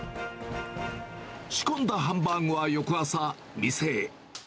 仕込んだハンバーグは翌朝、店へ。